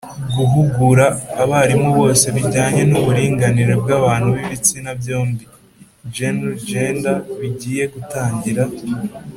guhugura abarimu bose mu bijyanye n'uburinganire bw'abantu b'ibitsina byombi (genre/ gender) bigiye gutangira.